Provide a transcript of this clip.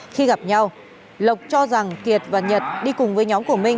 khi gặp nhau lộc cho rằng kiệt và nhật đi cùng với nhóm của minh